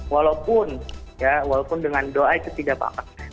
walaupun dengan doa itu tidak apa apa